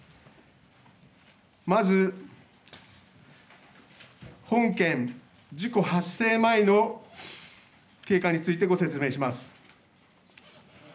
まず本件、事故発生前の経過についてご説明します。